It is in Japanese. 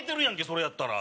それやったら。